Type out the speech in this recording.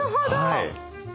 はい。